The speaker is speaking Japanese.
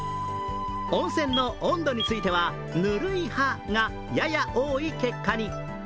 温泉の温度については、ぬるい派が、やや多い結果に。